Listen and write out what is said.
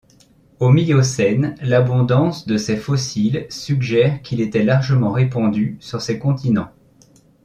Au Miocène, l'abondance de ses fossiles suggère qu'il était largement répandu sur ces continents.